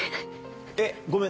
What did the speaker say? えっごめん。